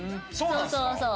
そうそうそう。